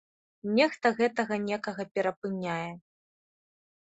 Нехта гэтага некага перапыняе.